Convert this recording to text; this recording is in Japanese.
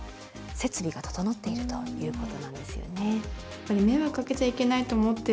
設備が整っているということなんですよね。